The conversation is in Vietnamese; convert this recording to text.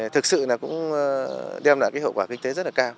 thực sự là cũng đem lại cái hiệu quả kinh tế